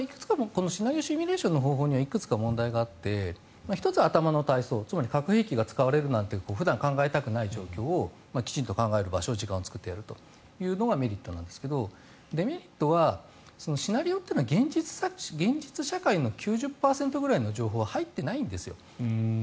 このシナリオシミュレーションの方法にはいくつか問題があって頭の体操つまり核が使われたという普段は考えたくない状況をきちんと考える場所を時間を作ってやるというのがメリットなんですがデメリットはシナリオというのは現実社会の９０％くらいの情報は入ってないんですよ。